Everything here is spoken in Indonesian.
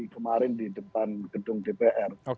kemarin di depan gedung dpr